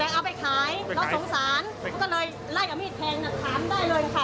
แล้วสงสารเขาก็เลยไล่อมีดแทงหนักขามได้เลยค่ะ